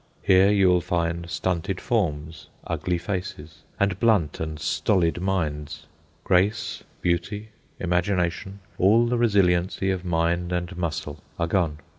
Here you will find stunted forms, ugly faces, and blunt and stolid minds. Grace, beauty, imagination, all the resiliency of mind and muscle, are gone.